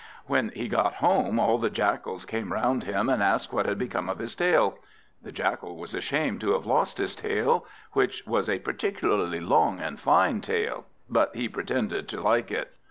When he got home, all the Jackals came round him, and asked what had become of his tail. The Jackal was ashamed to have lost his tail, which was a particularly long and fine tail; but he pretended to like it.